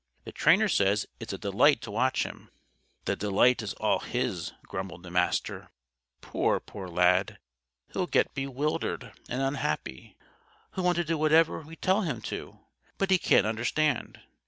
The trainer says it's a delight to watch him." "The delight is all his," grumbled the Master. "Poor, poor Lad! He'll get bewildered and unhappy. He'll want to do whatever we tell him to, but he can't understand.